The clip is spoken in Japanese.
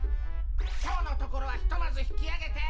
今日のところはひとまず引きあげて。